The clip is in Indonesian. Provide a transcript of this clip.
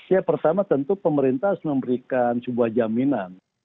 ya pertama tentu pemerintah harus memberikan sebuah jaminan